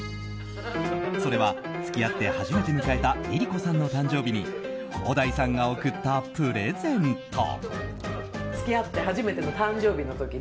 それは付き合って初めて迎えたＬｉＬｉＣｏさんの誕生日に小田井さんが贈ったプレゼント。